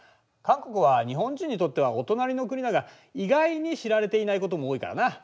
韓国は日本人にとってはお隣の国だが意外に知られていないことも多いからな。